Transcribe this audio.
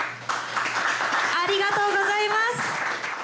ありがとうございます。